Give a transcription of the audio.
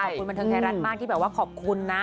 ขอบคุณบรรเทิงไทยรัฐมากที่ขอบคุณนะ